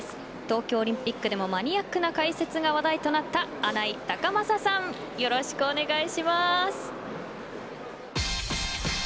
東京オリンピックでもマニアックな解説が話題となった穴井隆将さんよろしくお願いします。